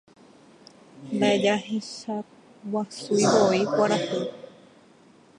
Ndajahechaguasúivoi kuarahy.